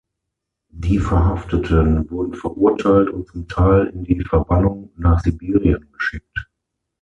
Die Verhafteten wurden verurteilt und zum Teil in die Verbannung nach Sibirien geschickt.